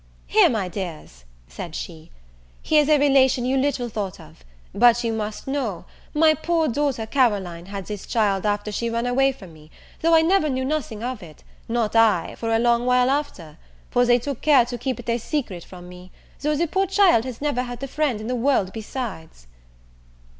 "Here, my dears," said she, "here's a relation you little thought of; but you must know, my poor daughter Caroline had this child after she run away from me, though I never knew nothing of it, not I, for a long while after; for they took care to keep it a secret from me, though the poor child has never a friend in the world besides."